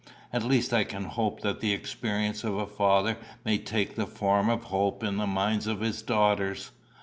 At least I can hope that the experience of a father may take the form of hope in the minds of his daughters.